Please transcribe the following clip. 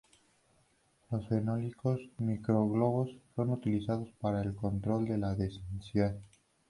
Los fenólicos micro-globos son utilizados para el control de la densidad.